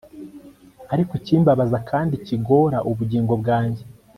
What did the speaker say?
ariko ikimbabaza kandi kigora ubugingo bwanjye